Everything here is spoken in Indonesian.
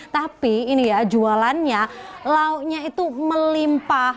tapi ini ya jualannya lauknya itu melimpah